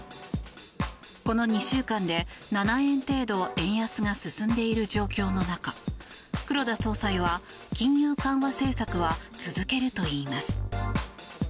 この２週間で７円程度円安が進んでいる状況の中黒田総裁は、金融緩和政策は続けるといいます。